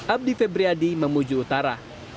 abdi febriadi mamuju utara